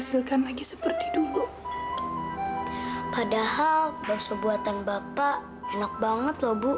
sampai jumpa di video selanjutnya